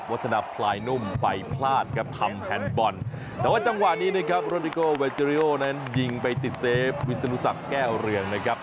วัฒนาพลายนุ่มไปพลาดครับทำแฮนด์บอลแต่ว่าจังหวะนี้รอดิโกว์เวเจอลีโอยิงไปติดเสมอวิศนุษักร์แก้วเรืองนะครับ